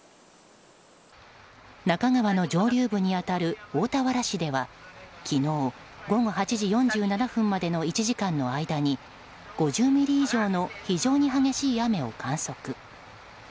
那珂川の上流部に当たる大田原市では昨日午後８時４７分までの１時間の間に５０ミリ以上の非常に激しい雨を観測。